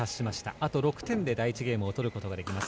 あと６点で第１ゲームを取ることができます